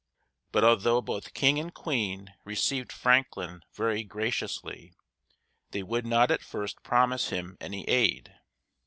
But although both king and queen received Franklin very graciously, they would not at first promise him any aid.